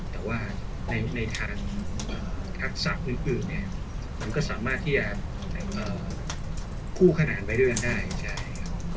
แต่ว่าในทางทักษะอื่นมันก็สามารถที่จะคู่ขนาดไปด้วยกันได้